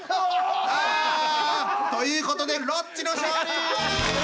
あ！ということでロッチの勝利！